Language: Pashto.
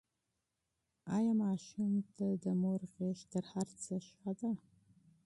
ایا ماشوم ته د مور غېږ تر هر څه ښه ده؟